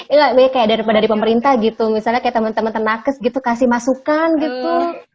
iya kayak daripada dari pemerintah gitu misalnya kayak temen temen tenakes gitu kasih masukan gitu